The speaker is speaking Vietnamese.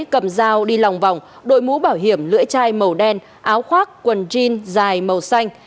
cầm dao đi lòng vòng đội mũ bảo hiểm lưỡi chai màu đen áo khoác quần jean dài màu xanh